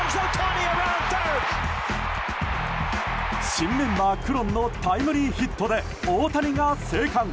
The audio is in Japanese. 新メンバー、クロンのタイムリーヒットで大谷が生還。